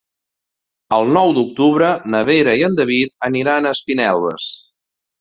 El nou d'octubre na Vera i en David aniran a Espinelves.